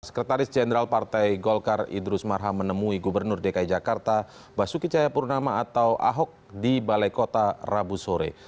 sekretaris jenderal partai golkar idrus marham menemui gubernur dki jakarta basuki cahayapurnama atau ahok di balai kota rabu sore